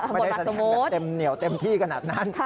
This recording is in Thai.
ไม่ได้แสดงแบบเต็มเหนียวเต็มที่ขนาดนั้น